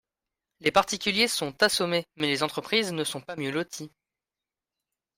Les particuliers sont assommés, mais les entreprises ne sont pas mieux loties.